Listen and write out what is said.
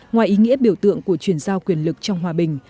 ngoài ý nghĩa biểu tượng của chuyển giao quyền lực trong hòa bình